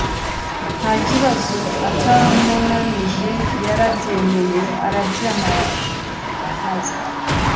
ntakibazo atamunanije yarabyemeye arabyamamaza.